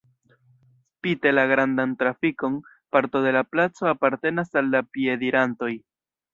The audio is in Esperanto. Spite la grandan trafikon parto de la placo apartenas al la piedirantoj.